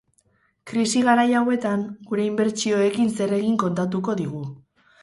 Krisi garai hauetan, gure inbertsioekin zer egin kontatuko digu.